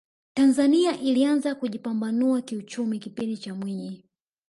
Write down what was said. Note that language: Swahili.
tanzania ilianza kujipambanua kiuchumi kipindi cha mwinyi